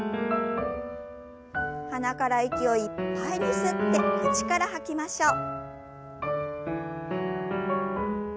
鼻から息をいっぱいに吸って口から吐きましょう。